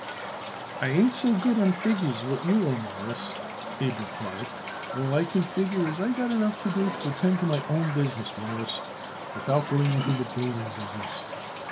"I ain't so good on figures what you are, Mawruss," Abe replied. "All I can figure is I got enough to do to attend to my own business, Mawruss, without going into the building business."